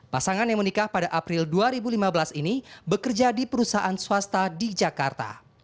pasangan yang menikah pada april dua ribu lima belas ini bekerja di perusahaan swasta di jakarta